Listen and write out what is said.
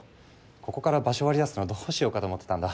ここから場所割り出すのどうしようかと思ってたんだ。